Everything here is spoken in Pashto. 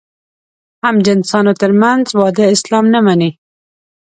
همجنسانو تر منځ واده اسلام نه مني.